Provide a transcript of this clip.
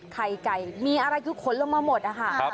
ไข่ไก่มีอะไรคือขนลงมาหมดนะคะ